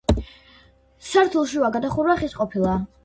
სართულშუა გადახურვა ხის ყოფილა.